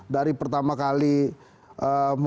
dari pertama kali memberikan atau mengumumkan